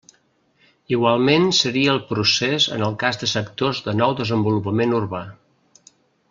Igualment seria el procés en el cas de sectors de nou desenvolupament urbà.